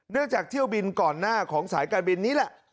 จากเที่ยวบินก่อนหน้าของสายการบินนี้แหละ